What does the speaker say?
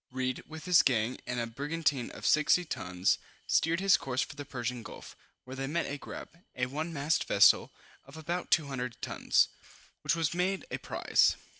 Read, with this gang, and a brigantine of 60 tons, steered his course for the Persian Gulf, where they met a grab, (a one masted vessel) of about 200 tons, which was made a prize.